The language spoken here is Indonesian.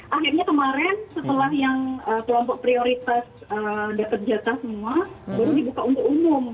jadi akhirnya kemarin setelah yang kelompok prioritas dapat jatah semua baru dibuka untuk umum